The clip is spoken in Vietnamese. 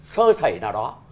sơ sảy nào đó